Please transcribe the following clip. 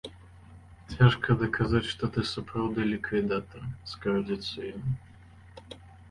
Цяжка даказаць, што ты сапраўды ліквідатар, скардзіцца ён.